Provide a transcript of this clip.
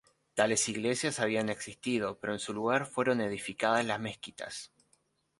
Tales iglesias habían existido pero en su lugar fueron edificadas las mezquitas.